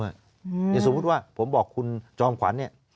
อย่างสมมุติว่าผมบอกคุณจอมขวัญเนี่ย